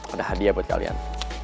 ada hadiah buat kalian